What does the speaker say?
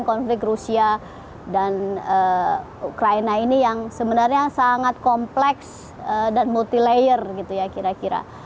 konflik rusia dan ukraina ini yang sebenarnya sangat kompleks dan multi layer gitu ya kira kira